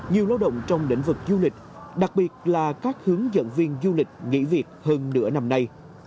nhiều lao động trong lĩnh vực du lịch đặc biệt là các hướng dẫn viên du lịch nghỉ việc hơn nửa năm nay